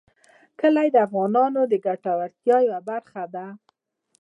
کلي د افغانانو د ګټورتیا یوه برخه ده.